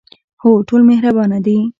هو، ټول مهربانه دي